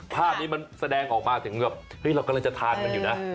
ภาพนี้มันแสดงออกมาถึงแบบเฮ้ยเรากำลังจะทานมันอยู่นะ